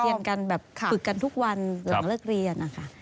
พยายามการฝึกกันทุกวันหรือหลังเลิกเรียน